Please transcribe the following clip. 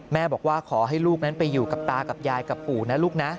บอกว่าขอให้ลูกนั้นไปอยู่กับตากับยายกับปู่นะลูกนะ